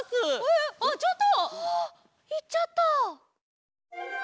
あいっちゃった。